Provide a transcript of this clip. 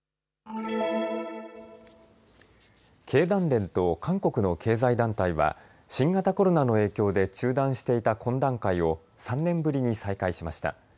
経団連と韓国の経済団体は新型コロナの影響で中断していた懇談会を３年ぶりに再開しました。